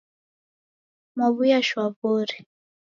Mwaw'uya shwaw'ori.